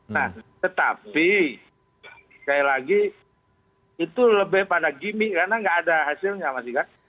nah tetapi sekali lagi itu lebih pada gimmick karena nggak ada hasilnya masih kan